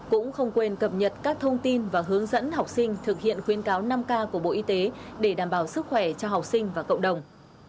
cũng không quên cập nhật các thông tin và hướng dẫn học sinh thực hiện khuyến cáo năm k của bộ y tế để đảm bảo sức khỏe cho học sinh và cộng đồng